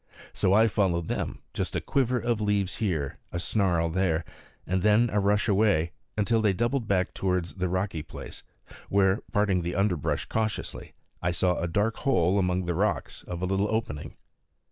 So I followed them, just a quiver of leaves here, a snarl there, and then a rush away, until they doubled back towards the rocky place, where, parting the underbrush cautiously, I saw a dark hole among the rocks of a little opening.